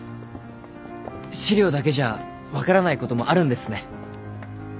資料だけじゃ分からないこともあるんですね。